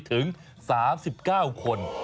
ถึง๓๙คน